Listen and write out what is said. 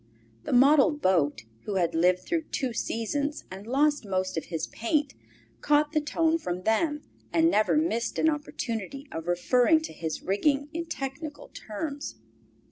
The model boat, who had lived through two seasons and lost most of his paint, caught the tone from them and never missed an opportunity of referring to his rigging in technical terms.